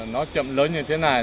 nó chậm lớn như thế này